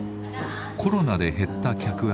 コロナで減った客足。